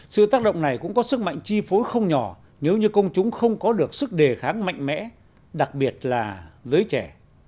sự tác động này cũng có sức mạnh chi phối không nhỏ nếu như công chúng không có được sức đề kháng mạnh mẽ đặc biệt là giới trẻ